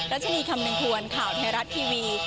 รัชนีคำนึงควรข่าวไทยรัฐทีวี